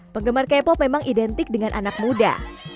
penggemar k pop memang identik dengan anak muda